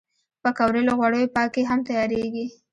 پکورې له غوړیو پاکې هم تیارېږي